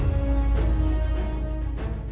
tidak ada apa apa